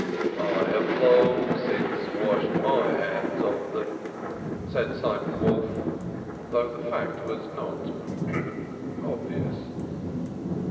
"I have long since washed my hands of them," said Simon Wolf, though the fact was not obvious.